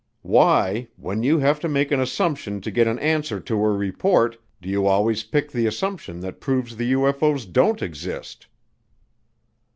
Why, when you have to make an assumption to get an answer to a report, do you always pick the assumption that proves the UFO's don't exist?"